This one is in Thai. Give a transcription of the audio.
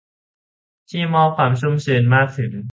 ที่มอบความชุ่มชื้นมากถึง